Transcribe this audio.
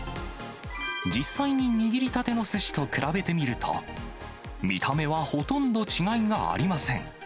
実際に握りたてのすしと比べてみると、見た目はほとんど違いがありません。